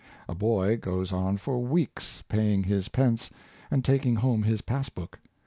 A boy goes on for weeks paying his pence, and taking home his pass book.